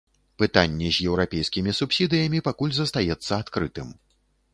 Пытанне з еўрапейскімі субсідыямі пакуль застаецца адкрытым.